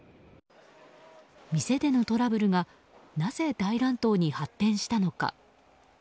店でのトラブルがなぜ大乱闘に発展したのか。